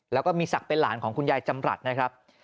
แล้วก็มีศักดิ์เป็นหลานของคุณยายจำรัฐนะครับ